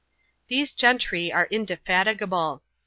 These gentry are indefatigable.